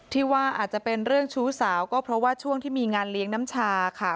ที่ว่าอาจจะเป็นเรื่องชู้สาวก็เพราะว่าช่วงที่มีงานเลี้ยงน้ำชาค่ะ